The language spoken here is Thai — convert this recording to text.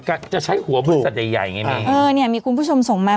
ก็จะใช้หัวบุกบริษัทใหญ่อย่างนี้เออนี่มีคุณผู้ชมส่งมา